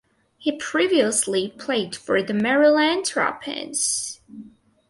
He previously played for the Maryland Terrapins.